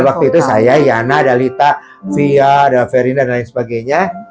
pada waktu itu saya yana dalita via verin dan lain sebagainya